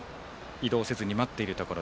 移動をせずに待っているところ。